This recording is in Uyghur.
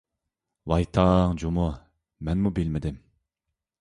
ۋاي تاڭ جۇمۇ، مەنمۇ بىلمىدىم!